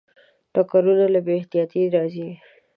ټکرونه له بې احتیاطۍ راځي.